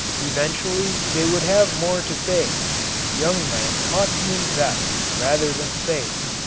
Eventually they would have more to save. Young men ought to invest rather than save.